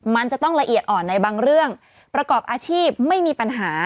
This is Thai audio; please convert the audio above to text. มันจะต้องละเอียดอ่อนในบางเรื่องประกอบอาชีพไม่มีปัญหา